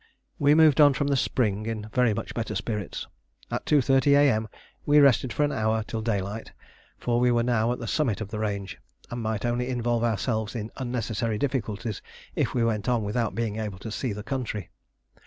We moved on from the spring in very much better spirits. At 2.30 A.M. we rested for an hour till daylight, for we were now at the summit of the range, and might only involve ourselves in unnecessary difficulties if we went on without being able to see the country.